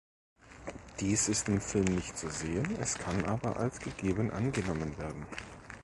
Dies ist im Film nicht zu sehen, es kann aber als gegeben angenommen werden.